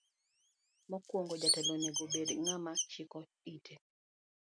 Mokuongo jatelo onego obed ng'ama chiko ite.